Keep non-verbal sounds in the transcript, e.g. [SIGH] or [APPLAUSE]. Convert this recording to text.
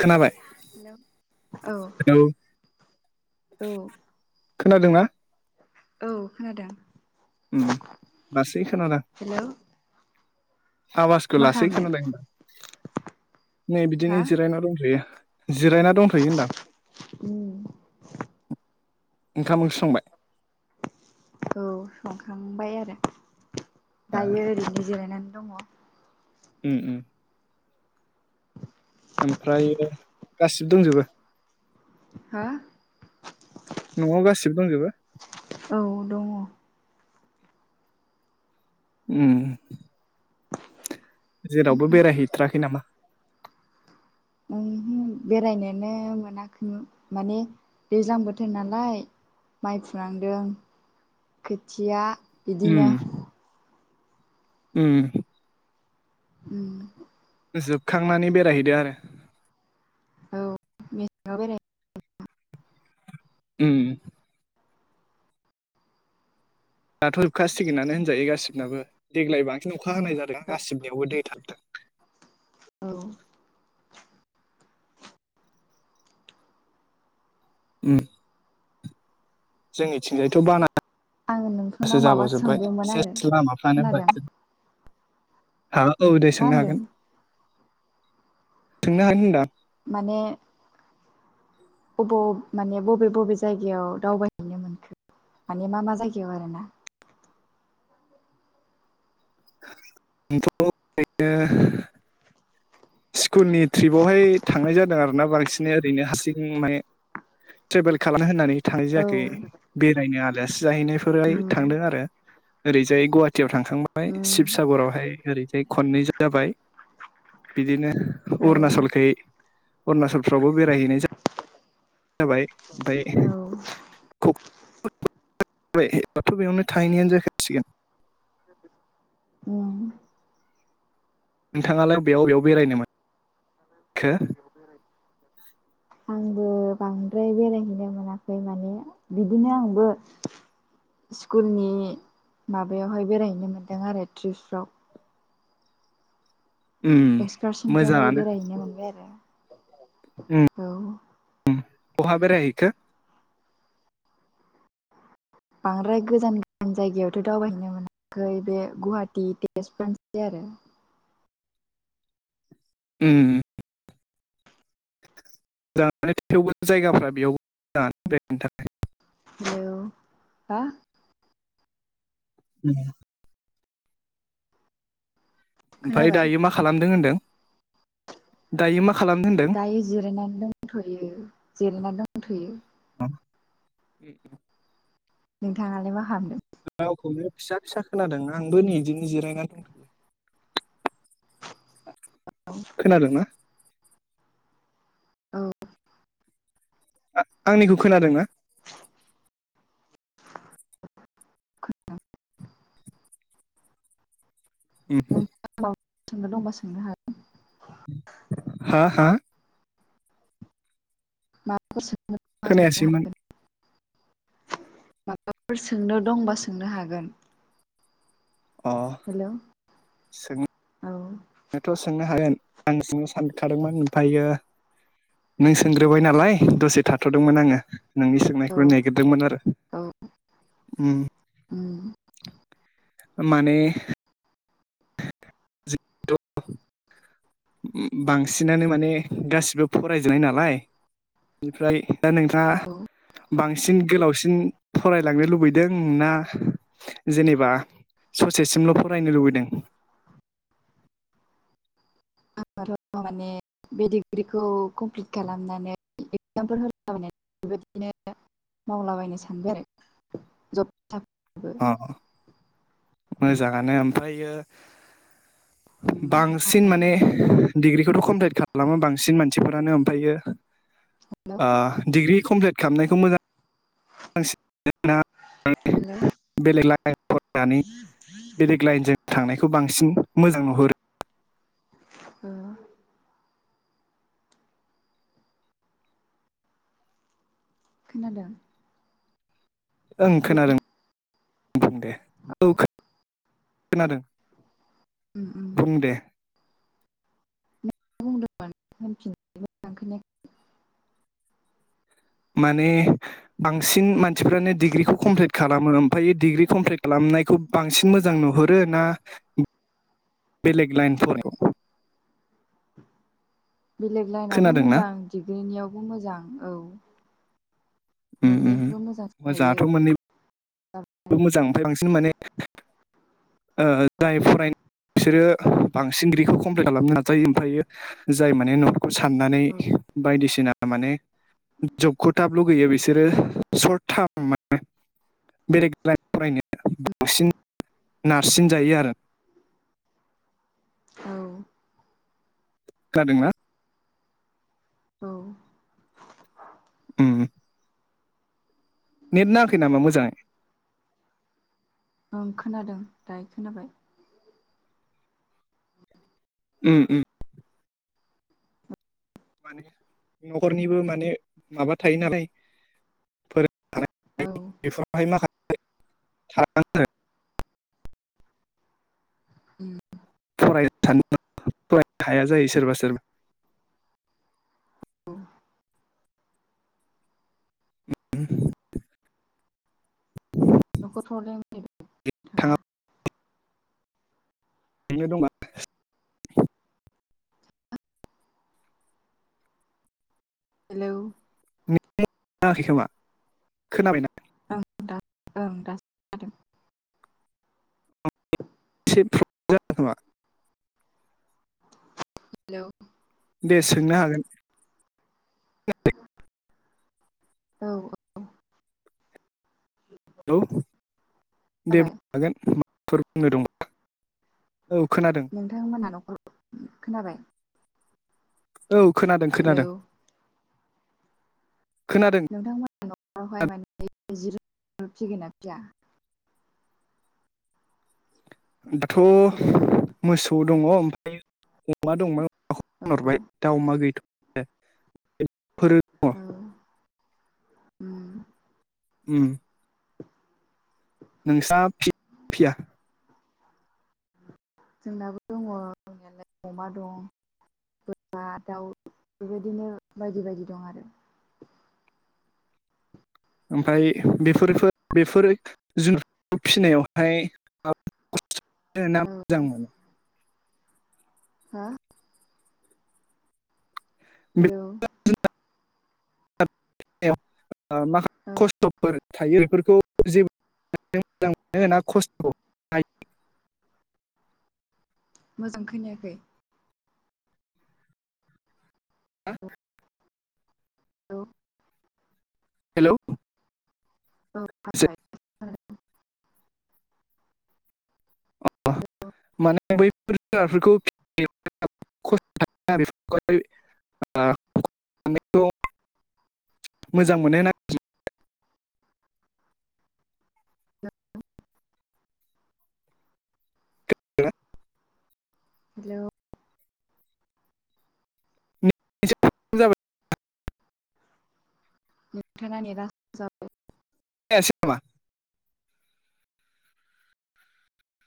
खोनाबाय? हेलौ औ औ खोनादोंना? औ खोनादों। उ लासै खोनादों। हेलौ आवाजखौ मा लासै खोनादों खालामदों होनदां नै बिदिनो हा जिरायना दंथ'यो। जिरायना दंथ'यो होनदां। उम ओंखाम ओंख्रि संबाय? औ संखांबाय आरो दायो ओरैनो जिरायनानै दङ। उम उम ओमफ्र गासिबो दंजोबो हा न'आव गासिबो दंजोबो? औ दङ। उम जेरावबो बेरायहैथ्राखै नामा बेरायनोनो मोनाखैमोन। माने दैज्लां बोथोर नालाय माइ फुनांदों खोथिया उम बिदिनो उम [INAUDIBLE] जोबखांनानै बेरायहैदो आरो औ मेसेङाव बेराय उम दाथ' जोबखासिगोनानो होनजायो गासिबनाबो देग्लाय बांसिन अखा हाय जादों गासिबनियावबो दै थाबदों। औ। उ। जोंनिथिंजायथ' बाना आङो [UNINTELLIGIBLE] नोंथांनाव गोसो माबा जाबावजोबबाय सोंदोंमोन आरो सेस लामाफ्रानो ब खोनादों हा औ दे मा सोंनो होनदों हागोन सोंनो हागोन होनदा। माने। बब माने बबे बबे जायगायाव दावबायहैनो मोनखो? माने मा मा जायगायाव आरोना। आंथ ओरैनो स्कुलनि ट्रिपावहाय थांनाय जादों आरो ना बांसिनै ओरैनो हारसिं माने ट्रेभेल खालाम होननानै थां औ जायाखै बेरायनो आलासि जाहैनायफोराय उम थांदों आरो ओरैजाय गव सिटियाव थांखांबाय उम शिबसागरावहाय ओरैजाय खननै जाबाय बिदिनो औ अरुणचलखै अरुणाचलफ्रावबो बेरायहैनाय जा जाबाय बाय औ [UNINTELLIGIBLE] बेयावनो थाहैनायानो जाखासिगोन। उम नोंथाङालाय बेयाव बेयाव बेरायनोमोन ओम। आंबो बांद्राय बेरायहैनो मोनाखै माने बिदिनो आंबो स्कुलनि माबायावहाय बेरायहैनो मोनदों आरो त्रिपसफ्राव उम एक्सकारसनफ्रावहाय मोजाङानो बेरायहैनो मोनबाय आरो औ। उम बहा बेरायहैखो। बांद्राय गोजान गोजान जायगायावथ' दावबायहैनो मोनाखै बे गुवाहाटी तेज [UNINTELLIGIBLE] आरो। [UNINTELLIGIBLE] ओम ओम। मोजाङानो थेवबो जायगाफ्रा बेयावबो मोजाङ बेरायनो थाखाय औ हा। ओम। ओमफ्राय खोनाबाय दायो मा खालामदों होनदों दायो मा खालामदों होनदों दायो जिरायनानै दंथ'यो जिरायनानै दंथ'यो। ओम। नोंथाङालाय मा खालामदों? गावखौनो फिसा फिसा खोनादों आंबो नैदिनो जिरायनानै दंथ'यो। खोनादोंना? औ। आंनिखौ खोनादोंना? [UNINTELLIGIBLE] सोंनो दंबा सोंनो हागोन। हा हा। माबाफोर सेंनो। खोनायासैमोन [UNINTELLIGIBLE] माबाफोर सोंनो दंबा सोंनो हागोन। अ हेलौ सों औ नायाथ' सोंनो हागोन आं सोंनो सानखादोंमोन ओमफायो नों सों बाय नालाय औ दसे थाथ'दोंमोन आङो। नोंनि औ सोंनायखौ नागिरदोंमोन आरो ओम। माने- जिथु बांसिनानो माने गासिबो फरायजोबनाय नालाय बेनिफ्राय दा नोंथाङा औ बांसिन गोलावसिन फरायलांनो लुबैदों ना जेनेबा ससेसिमल' फरायनो लुबैदों [INAUDIBLE] आं र' माने बे डिग्रिखौ कमप्लिट खालामनानै एक्जामफोर होलाबायनानै बेबायदिनो मावलाबायनो सानबाय आरो जब साबो अ माने जागानो ओमफायो बांसिन नोंथाङालाय माने डिग्रिखौथ' कमप्लिट खालामो बांसिन मानसिफोरानो आमफायो ओ डिग्रि कमप्लिट खालामनायखौ मोजां [UNINTELLIGIBLE] हेलौ बेलेग लाइन फरायनानै बेलेग लाइनजों थांनायखौ बांसिन मोजां नुहरो औ खोनादों ओं खोनादों दे औ खोनादों ओम ओम बुं दे नों बुंदोंमोन होनफिन [UNINTELLIGIBLE] माने बांसिन मानसिफ्रानो डिग्रिखौ कमप्लिट खालामो ओमफायो डिग्रि कमप्लिट खालाम नायखौ बांसिन मोजां नुहरो ना [INAUDIBLE] बेलेग लइन फराय बेलेग लाइनाबो खोनादोंना मोजां डिग्रिनियावबो मोजां औ उम उम मोननैबो मोजां हायो मोजाङाथ' मोननैबो मोजां ओमफ्राय बांसिन माने जाय फरायनाय बिसोरो बांसिन दिग्रिखौ कमप्लिट खालामनो नाजायो ओमफ्रायो जाय माने न'खरखौ साननानै बायदिसिना माने जबखौ थाब लुगैयो बिसोरो सशर्ट टार्म मे बेलेगला फरायनो बांसिन नारसिनजायो आरो औ जादोंना औ ओम नेट नाङाखै नामा मोजाङै ओं खोनादों दायो खोनाबाय उ उ माने न'खरनिबो माने माबा थायो नालाय फोर औ बेफोरावहाय माखासे [UNINTELLIGIBLE] उ फरायनो सानो फरायनो हाया जायो सोरबा सोरबा उ न'खरफ्रब्लेम फैबाय बेनो दङा हेलौ [UNINTELLIGIBLE] खोमा खोनाबायना [UNINTELLIGIBLE] [UNINTELLIGIBLE] हेल' दे सोंनो हागोन औ औ हेलौ दे खोनाबाय बुं हागोन माबफोर बुंनो दंबा औ खोनादों नोंथांमोनहा न'खरखौ खोनाबाय औ खोनादों हेलौ खोनादों खोनादों नोंथांमोना न'खरावहाय माने जिरोम फिगोन ना फिया दाथ' हेलौ मोसौ दङ ओमफ्राय अमा दंमोन औ खरबाय दाउ अमा गैथ' औ उ [UNINTELLIGIBLE] नोंस्रा फिया जोंनाबो दङं दंनायालाय अमा दं बोरमा दाउ बेबायदिनो बायदि बायदि दं आरो ओमफ्राय बेफोरफोर बेफोर जुनुर फिसिनायावहाय औ [UNINTELLIGIBLE] हो हेलौ माखासे औ खस्थ'फोर थायो आरो बेफोरखौ जेबो मोजां मोनो होना खस्थ' मोजां खैनायाखै ए [INAUDIBLE] हेल' हेल' औ औ माने बैफोर जुनारफोरखौ [UNINTELLIGIBLE] [UNINTELLIGIBLE] मोजां मोननाय नागि हेल'। जाबाय नोंथांनानै [UNINTELLIGIBLE] राज जाबाय [UNINTELLIGIBLE]